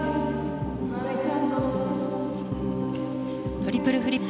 トリプルフリップ。